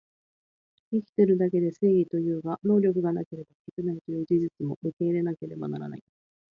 生きてるだけで正義というが、能力がなければ勝てないという事実も受け入れなければならない